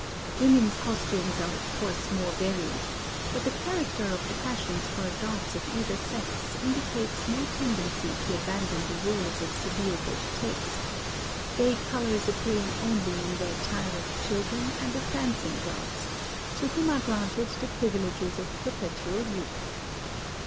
Women's costumes are of course more varied; but the character of the fash ions for adults of either sex indicates no tendency to abandon the rules of severe good taste ;— gay colors appearing only in the at tire of children and of dancing girls, — to whom are granted the privileges of perpetual youth.